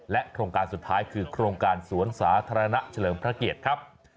โครงการสุดท้ายคือโครงการสวนสาธารณะเฉลิมพระเกียรติครับ